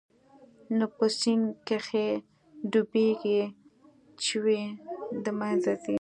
نو په سيند کښې ډوبېږي چوي د منځه ځي.